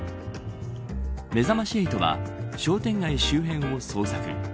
めざまし８は商店街周辺を捜索。